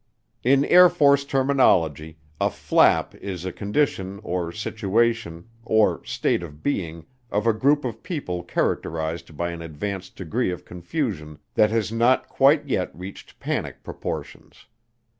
In Air Force terminology a "flap" is a condition, or situation, or state of being of a group of people characterized by an advanced degree of confusion that has not quite yet reached panic proportions.